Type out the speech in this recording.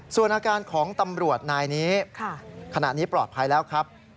ส่วนอาการของตำรวจนายนี้ขณะนี้ปลอดภัยแล้วครับ